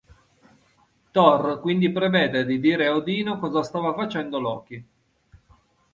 Thor quindi prevede di dire a Odino cosa stava facendo Loki.